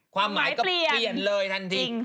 ความหมายก็เปลี่ยนเลยทันที